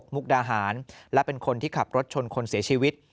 มุกดาหารและเป็นคนที่ขับรถชนคนเสียชีวิต